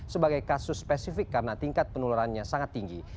sebagai kasus spesifik karena tingkat penularannya sangat tinggi